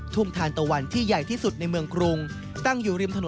ทุ่งทันตะวันที่ใหญ่ที่สุดในเมืองกรุง